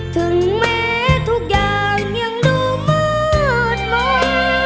ถึงแม้ทุกอย่างยังดูมืดมนต์